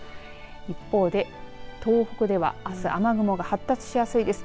一方で、東北ではあす、雨雲が発達しやすいです。